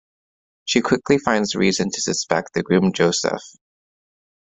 She quickly finds reason to suspect the groom Joseph.